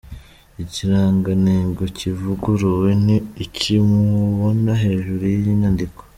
Ikirangantego kivuguruwe ni iki mubona hejuru y’iyi nyandiko.